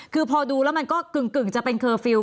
คือพอดูแล้วมันก็กึ่งจะเป็นเคอร์ฟิลล